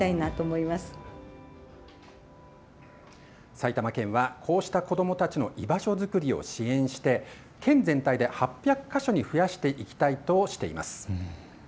埼玉県はこうした子どもたちの居場所作りを支援して県全体で８００か所に増やしていきたいとしています。